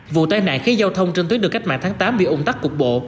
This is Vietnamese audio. vụ tai nạn khiến giao thông trên tuyến đường cách mạng tháng tám bị ủng tắc cục bộ